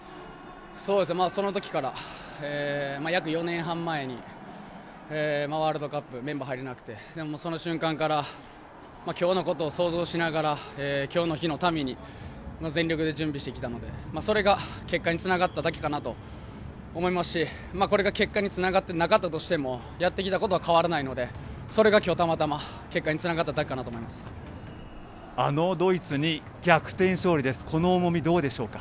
そのときから約４年半前にワールドカップメンバー入れなくてその瞬間から今日のことを想像しながら今日の日のために全力で準備してきたのでそれが結果につながっただけかなと思いますしこれが結果につながってなかったとしてもやってきたことは変わらないのでそれが今日、たまたま結果につながっただけかなとあのドイツに逆転勝利です。